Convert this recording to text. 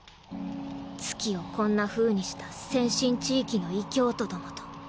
月をこんなふうにした先進地域の異教徒どもと。